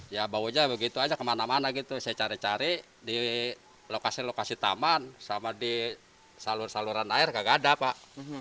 ya baunya begitu aja kemana mana gitu saya cari cari di lokasi lokasi taman sama di saluran saluran air gak ada pak